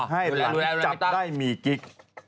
ให้หลังจับได้หมี่กิ๊ก